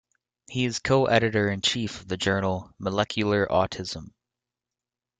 He is co-editor in chief of the journal "Molecular Autism".